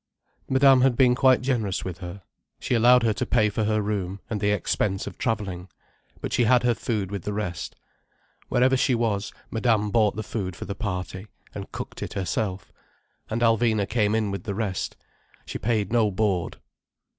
Madame had been quite generous with her. She allowed her to pay for her room, and the expense of travelling. But she had her food with the rest. Wherever she was, Madame bought the food for the party, and cooked it herself. And Alvina came in with the rest: she paid no board.